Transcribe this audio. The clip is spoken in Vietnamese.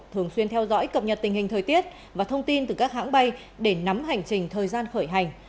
thường xuyên theo dõi cập nhật tình hình thời tiết và thông tin từ các hãng bay để nắm hành trình thời gian khởi hành